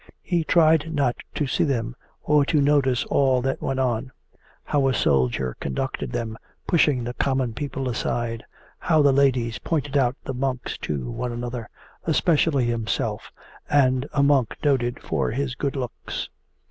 He tried not to see them or to notice all that went on: how a soldier conducted them, pushing the common people aside, how the ladies pointed out the monks to one another especially himself and a monk noted for his good looks.